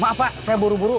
maaf pak saya buru buru